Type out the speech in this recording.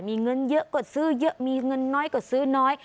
มีเงินเยอะก็ซื้อเยอะมีเงินน้อยก็ซื้อน้อย